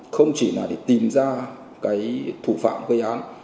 không chỉ là để tìm ra cái thủ phạm gây án